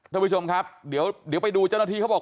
ท่านผู้ชมครับเดี๋ยวไปดูเจ้าหน้าที่เขาบอก